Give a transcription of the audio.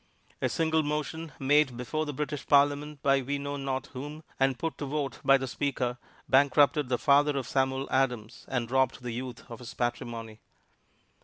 A single motion made before the British Parliament by we know not whom, and put to vote by the Speaker, bankrupted the father of Samuel Adams and robbed the youth of his patrimony.